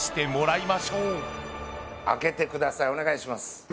お願いします